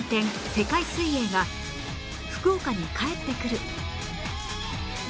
世界水泳が福岡に帰ってくる！